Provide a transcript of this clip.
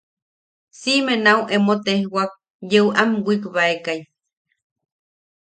Siʼime nau emo tejwak yeu am wikbaekai.